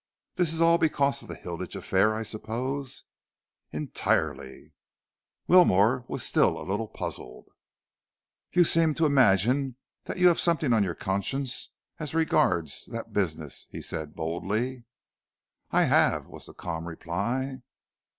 "This is all because of the Hilditch affair, I suppose?" "Entirely." Wilmore was still a little puzzled. "You seem to imagine that you have something on your conscience as regards that business," he said boldly. "I have," was the calm reply.